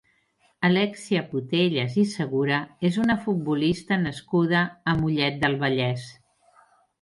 Alèxia Putellas i Segura és una futbolista nascuda a Mollet del Vallès.